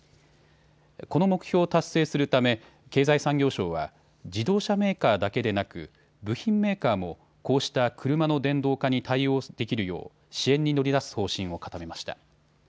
この目標を達成するため経済産業省は自動車メーカーだけでなく部品メーカーもこうした車の電動化に対応できるよう支援に乗り出す方針を固めました。